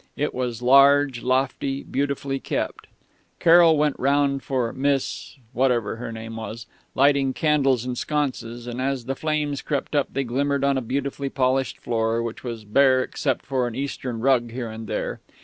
It was large, lofty, beautifully kept. Carroll went round for Miss ... whatever her name was ... lighting candles in sconces; and as the flames crept up they glimmered on a beautifully polished floor, which was bare except for an Eastern rug here and there.